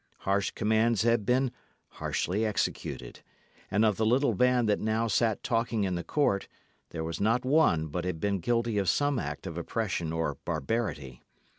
Harsh commands had been harshly executed; and of the little band that now sat talking in the court, there was not one but had been guilty of some act of oppression or barbarity.